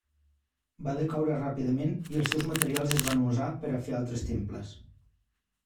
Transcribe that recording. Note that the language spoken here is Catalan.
Va decaure ràpidament i els seus materials es van usar per a fer altres temples.